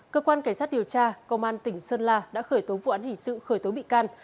cơ quan cảnh sát điều tra công an tỉnh sơn la đã khởi tố vụ án hình sự khởi tố bị can